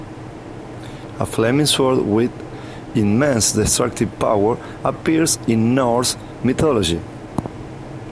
A flaming sword with immense destructive power appears in Norse mythology.